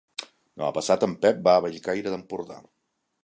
Demà passat en Pep va a Bellcaire d'Empordà.